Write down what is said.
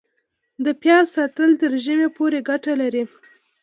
د پیاز ساتل تر ژمي پورې ګټه لري؟